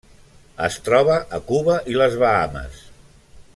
Es troba a Cuba i les Bahames.